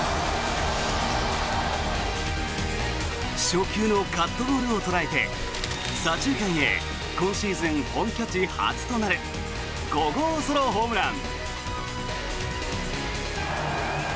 初球のカットボールを捉えて左中間へ今シーズン本拠地初となる５号ソロホームラン。